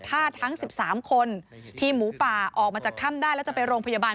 ถ้าทั้ง๑๓คนทีมหมูป่าออกมาจากถ้ำได้แล้วจะไปโรงพยาบาล